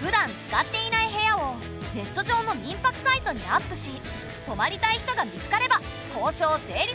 ふだん使っていない部屋をネット上の民泊サイトにアップし泊まりたい人が見つかれば交渉成立。